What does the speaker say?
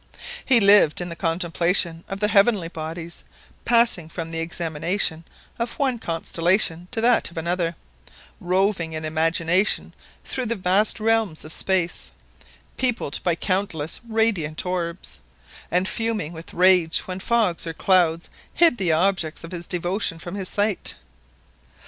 He lived in the contemplation of the heavenly bodies, passing from the examination of one constellation to that of another, roving in imagination through the vast realms of space, peopled by countless radiant orbs, and fuming with rage when fogs or clouds hid the objects of his devotion from his sight.